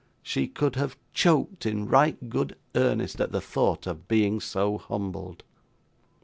She could have choked in right good earnest, at the thought of being so humbled.